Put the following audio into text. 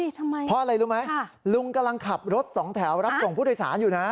ทำไมค่ะลุงกำลังขับรถสองแถวรับส่งผู้โดยสารอยู่นะ